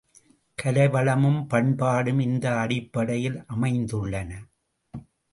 கலைவளமும் பண்பாடும் இந்த அடிப்படையில் அமைந்துள்ளன.